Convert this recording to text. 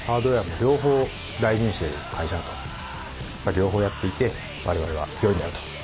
両方やっていて我々は強いんだよと。